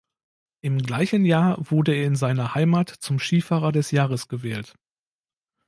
Im gleichen Jahr wurde er in seiner Heimat zum "Skifahrer des Jahres" gewählt.